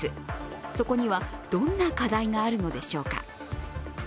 そこにはどんな課題があるのでしょうか。